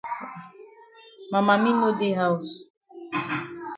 Ma mami no dey haus.